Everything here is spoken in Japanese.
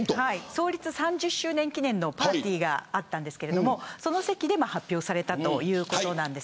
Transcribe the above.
創立３０周年記念のパーティーがあったんですがその席で発表されたということです。